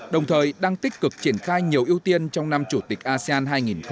đồng thời đang tích cực triển khai nhiều ưu tiên trong năm chủ tịch asean hai nghìn hai mươi